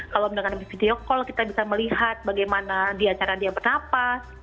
kalau mendengar video call kita bisa melihat bagaimana di acara dia bernapas